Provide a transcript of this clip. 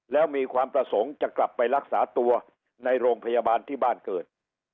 แล้วมีความประสงค์จะกลับไปรักษาตัวในโรงพยาบาลที่บ้านเกิด